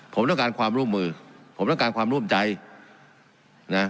ผมต้องการความร่วมมือผมต้องการความร่วมใจนะ